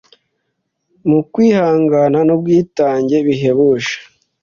mu kwihangana n'ubwitange bihebuje